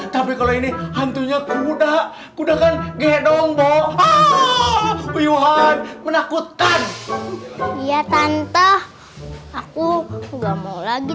tapi kalau ini hantunya kuda kuda kan gedong boha yuhan menakutkan ia tante aku nggak mau lagi